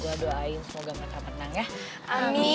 gue doain semoga mereka menang ya